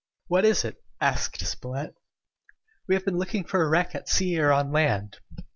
"What is it?" asked Spilett "We have been looking for a wreck at sea or on land!"